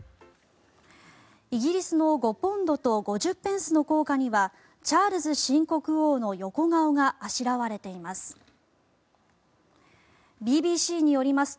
イギリスの５ポンドと５０ペンスの硬貨にはチャールズ新国王の横顔があしらわれています。